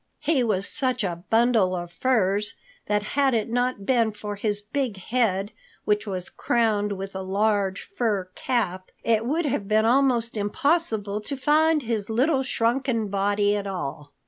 He was such a bundle of furs that had it not been for his big head, which was crowned with a large fur cap, it would have been almost impossible to find his little shrunken body at all.